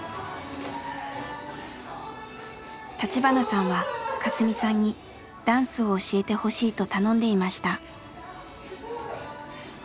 橘さんはカスミさんにダンスを教えてほしいと頼んでいました。